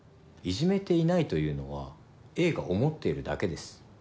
いじめていないというのはＡが思っているだけです。